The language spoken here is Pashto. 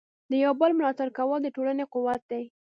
د یو بل ملاتړ کول د ټولنې قوت دی.